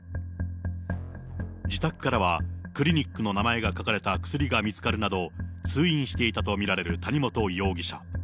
自宅からはクリニックの名前が書かれた薬が見つかるなど、通院していたと見られる谷本容疑者。